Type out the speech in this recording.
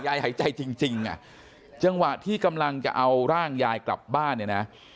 หายใจจริงอ่ะจังหวะที่กำลังจะเอาร่างยายกลับบ้านเนี่ยนะ